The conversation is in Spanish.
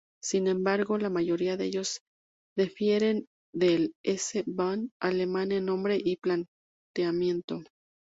Sin embargo, la mayoría de ellos difieren del S-Bahn alemán en nombre y planteamiento.